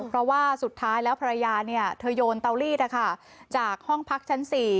เพราะว่าสุดท้ายแล้วภรรยาเธอโยนเตาลีดจากห้องพักชั้น๔